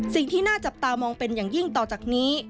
สิ่งที่น่าจับตามองเป็นอย่างยิ่งต่อจากนี้